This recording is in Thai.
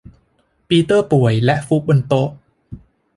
ปีเตอร์ป่วยและฟุบบนโต๊ะ